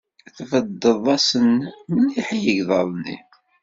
Tbeddeḍ-asen mliḥ i yegḍaḍ-nni.